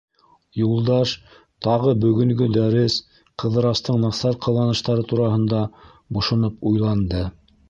Юлдаш тағы бөгөнгө дәрес, Ҡыҙырастың насар ҡыланыштары тураһында бошоноп уйланды.